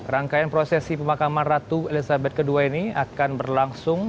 rangkaian prosesi pemakaman ratu elizabeth ii ini akan berlangsung